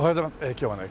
今日はね